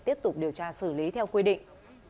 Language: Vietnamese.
tiếp tục điều tra xử lý theo quy định